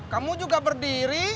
kamu juga berdiri